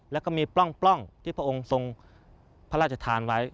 แล้วก็มีปล้องที่พระองค์ทรงพระราชทานไว้